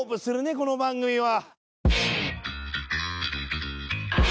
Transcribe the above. この番組は。